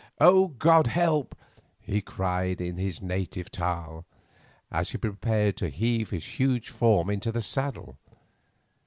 "Oh, God, help!" he cried in his native taal, as he prepared to heave his huge form into the saddle.